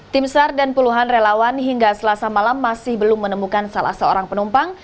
tim sar dan puluhan relawan hingga selasa malam masih belum menemukan salah seorang penumpang